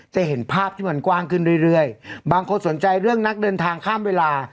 จะเห็นภาพที่มันกว้างขึ้นเรื่อยบางคนสนใจเรื่องนักเดินทางข้ามเวลา